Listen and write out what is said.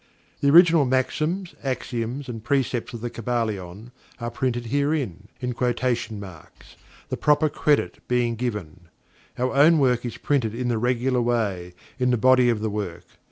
The original maxims, axioms, and precepts of THE KYBALION are printed herein, in italics, the proper credit being given. Our own work is printed in the regular way, in the body of the work.